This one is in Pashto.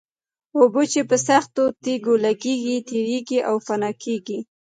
اوبه چې په سختو تېږو لګېږي تېرېږي او فنا کېږي.